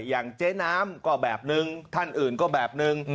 อย่างเจ๊น้ำก็แบบนึงท่านอื่นก็แบบนึง